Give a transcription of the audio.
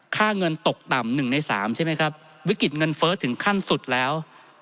ค่าเงินตกต่ำ๑ใน๓ใช่ไหมครับวิกฤตเงินเฟิร์สถึงขั้นสุดแล้ว